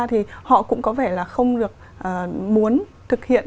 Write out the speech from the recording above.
thì họ cũng có vẻ là không được muốn thực hiện